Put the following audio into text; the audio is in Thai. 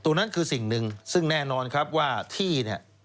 ตรงนั้นคือสิ่งหนึ่งซึ่งแน่นอนครับว่าที่เนี่ย